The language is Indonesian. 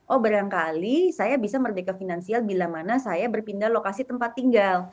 oh barangkali saya bisa merdeka finansial bila mana saya berpindah lokasi tempat tinggal